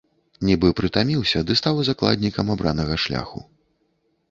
Нібы прытаміўся ды стаў закладнікам абранага шляху.